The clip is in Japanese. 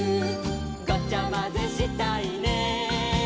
「ごちゃまぜしたいね」